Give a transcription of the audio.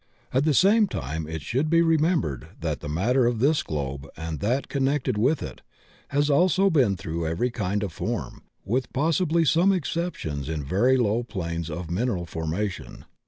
At the same time it should be remem bered that the matter of this globe and that con nected with it has also been throu^ every kind of form, with possibly some exceptions in very low planes of mineral formation.